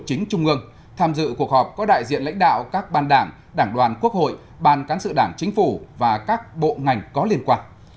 chính trung ương tham dự cuộc họp có đại diện lãnh đạo các ban đảng đảng đoàn quốc hội ban cán sự đảng chính phủ và các bộ ngành có liên quan